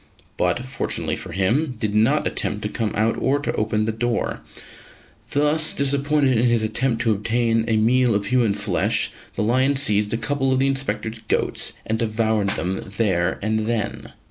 but, fortunately for him, did not attempt to come out or to open the door. Thus disappointed in his attempt to obtain a meal of human flesh, the lion seized a couple of the Inspector's goats and devoured them there and then.